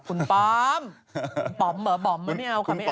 คุณปอมปอมเหรอปอมหรือไม่เอาค่ะไม่เอา